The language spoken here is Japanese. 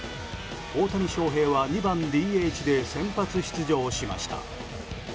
大谷翔平は２番ＤＨで先発出場しました。